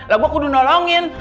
lah gua kudu nolongin